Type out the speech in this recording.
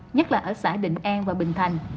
nhất là ở xã định an và bình thành